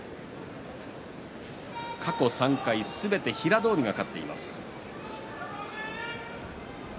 過去３回すべて平戸海が勝っています。